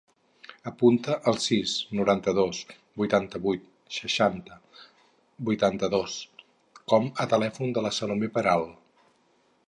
Apunta el sis, noranta-dos, vuitanta-vuit, seixanta, vuitanta-dos com a telèfon de la Salomé Peral.